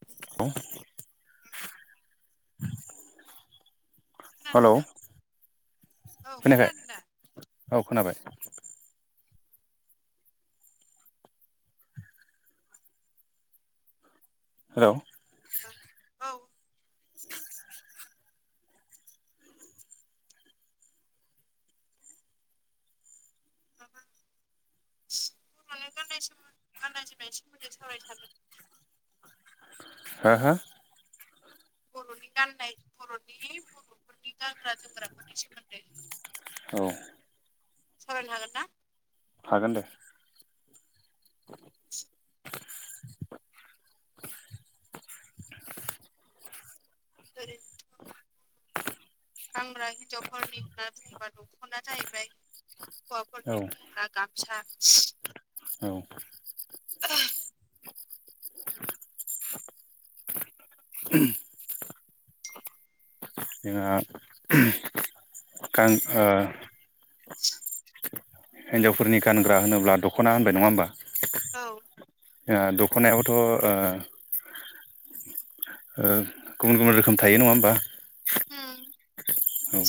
[unintelligible] Hello खोनादोंना औ खोनायाखै खोनादों दा औ खोनाबाय हेल' औ [inaudible] माबा बर'नि गाननाय जोमनाय गाननाय जोमनायनि सोमोन्दै सावराय सानदोंमोन। हा हा? बर'नि गाननाय बर'नि बर'फोरनि गानग्रा जोमग्राफोरनि सोमोन्दै औ। सावरायनो हागोनना? हागोन दे [inaudible] [unintelligible] [inaudible] गानग्रा हिनजावफोरनिखो बुंबा दखना जाहैबाय हौवाफोरनि बुंब्ला गामसा अ [inaudible] [inaudible] जोंहा गां ओ [inaudible] हिन्जावफोरनि गानग्रा होनोब्ला दख'ना होनबाय नङा होमबा? औ ओ दखनायावथ' ओ ओ गुबुन गुबुन रोखोम थायो नङा ओमबा? ओम औ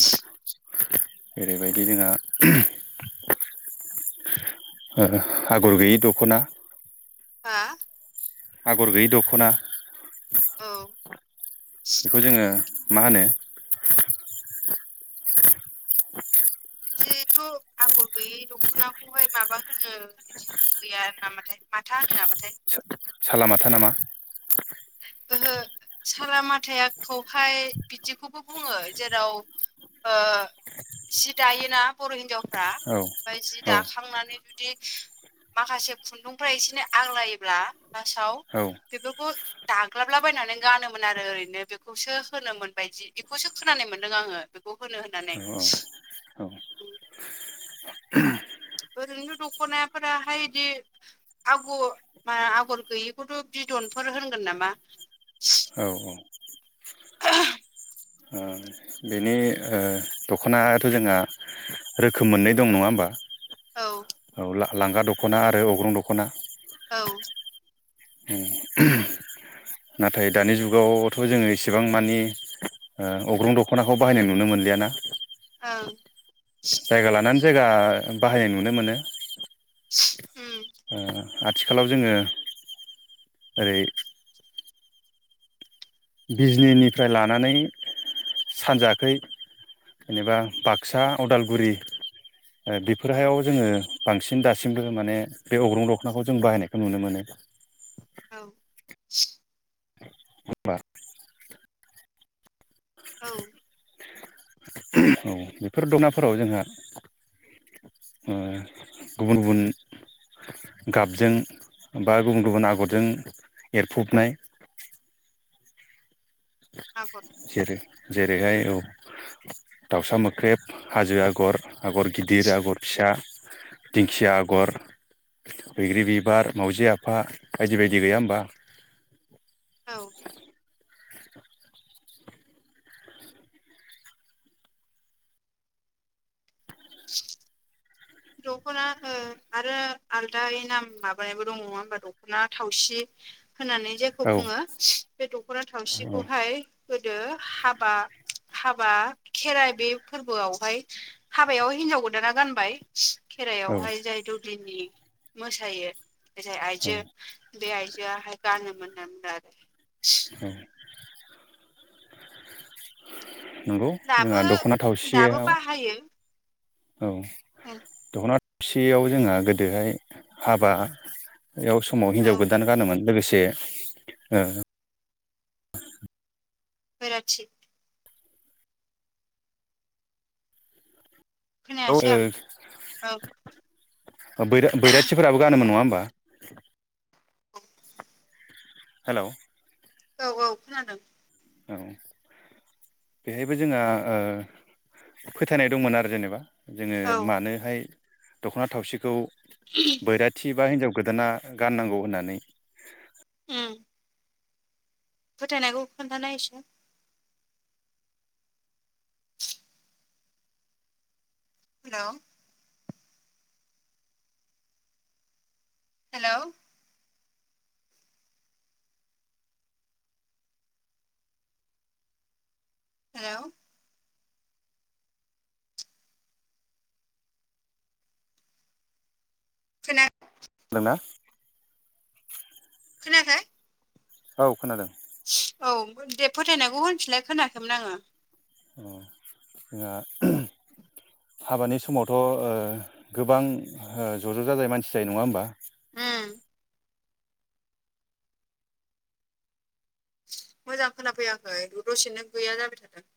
ओरैबायदि जोङा ओ आगर गैयि दखना हा? आगर गैयि दखना औ बेखौ जोङो मा होनो? बिदिथ' आगर गैयै दखनाखौहाय माबा होनो बिदि बिदि गैया नामाथाय माथा होनो नामाथाय सालामाथा नामा? ओहो सालामाथायाखौहाय बिदिखौबो बुङो जेराव ओ जि दायोना बर' हिनजावफ्रा औ ओमफ्राय जि दाखांनानै जुदि माखासे खुन्दुंफ्रा एसेना आग्लायोब्ला लास्टाव औ बेफोरखौ दाग्लाबलाबायनानै गानोमोन आरो ओरैनो बेखौसो होनोमोनबायदि बेखौसो खोनानाय मोनदों आङो। खौ होनो होननानै औ ओरैनोथ' दखनायफोराहाय इदि आगर मा आगर गैयिखौथ' बिदनफोर होनगोन नामा? औ औ ओइ बेनि ओ दखनायाथ' जोर्नङा रोखोम मोननै दं नङा ओमबा? औ। औ लांगा दख'ना आरो अग्रं दख'ना औ। नाथाय दानि जुगावथ' जोङो इसेबां मानि अग्रं दख'नाखौ बाहायनाय नुनो मोनलियाना। औं। जायगा लानानै जायगा बाहायनाय नुनो मोनो। उम आथिखालाव जोङो ओरै बिजिनिनिफ्राय लानानै सानजाखै जेनेबा बाक्सा उदालगुरि उम बेफोरहायाव जोङो बांसिन दासिमबो माने बे अग्रं दखनाखौ जों बाहायनायखौ नुनो मोनो औ। होनबा औ। औ बेफोर दनाफोराव जोंहा। गुबुन गुबुन गाबजों बा गुबुन गुबुन आगरजों एरफुबनाय आगर जेरै जेरैहाय औ दाउसा मोख्रेब हाजो आगर आगर गिदिर आगर फिसा दिंखिया आगर बैग्रि बिबार मावजि आफा बायदि बायदि गैया होमबा? औ [inaudible] दख'ना आरो आलदाय नाम माबानायबो दं नङा होमबा दख'ना थावसि। होननानै जायखौ औ बुङो बे दख'ना औ थावसिखौहाय गोदो हाबा हाबा खेराइ बे फोरबोआवहाय हाबायाव हिनजाव गोदाना गानबाय औ खेराइायावहाय जाय दुब्लिनि मोसायो जाय औ आइजो। बे आइजोआहाय गानोमोन होनना बुंदों आरो। औ नंगौ जोंहा दख'ना थावसेयाव हायो औ दख'नासेयाव जोंहा गोदोहाय हाबा बेयाव समाव औ हिनजाव गोदान गानोमोन लोगोसे फोरथि खोनायासै आं औ औ बैराथिफोराबो गानोमोन नङा होमबा हेल' औ औ खोनादों। औ बेहायबो जोंहा फोथायनाय दंमोन आरो जेनेबा। जोङो औ मानोहाय दख'ना थावसिखौ [inaudible] बैराथि बा हिनजाव गोदाना गाननांगौ होननानै ओम फोथायनायखौ खोन्थानाय‌ एसे। हेल' हेलौ हेल' खोना- खोनादोंना? खोनायाखै? औ खोनादों। औ दे फोथायनायखौ होनफिनलाय खोनायाखैमोन आङो ओ जोहा हाबानि समावथ' ओ गोबां ज' ज' जाजानाय मानसि जानाय नङा होमबा? उम। मोजां खोना फैयाखै दसेनो गैया जाबाय थादों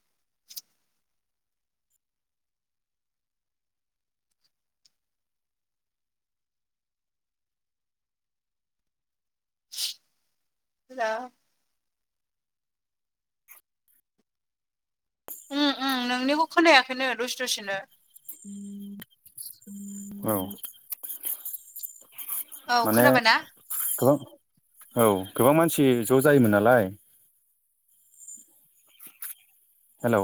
[unintelligible] ओम ओम नोंनिखौ खोनायाखैनो दुसे दसेनो। औ। औ माने खोनाबायना गोबां औ गोबां मानसि ज' जायोमोन नालाय। हेलौ।